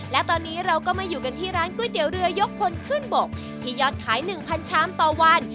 และตอนนี้เราก็มาอยู่กันที่ร้านก๋วยเตี๋ยวเรือยกคนขึ้นบกที่ยอดขาย๑๐๐ชามต่อวัน